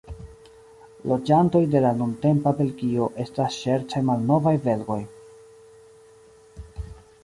Loĝantoj de la nuntempa Belgio estas ŝerce "malnovaj belgoj".